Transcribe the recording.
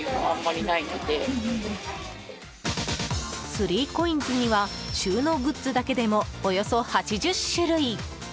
スリーコインズには収納グッズだけでもおよそ８０種類！